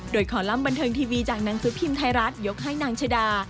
โดยคอลัมป์บันเทิงทีวีจากหนังสือพิมพ์ไทยรัฐยกให้นางชะดา